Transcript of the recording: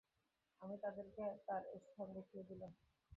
আমি তাদেরকে তার স্থান দেখিয়ে দিলাম।